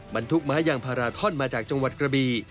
บรรทุกไม้ยางพาราท่อนมาจากจังหวัดกระบี